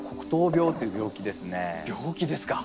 病気ですか。